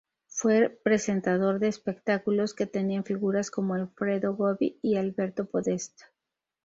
Fue presentador de espectáculos que tenían figuras como Alfredo Gobbi y Alberto Podestá.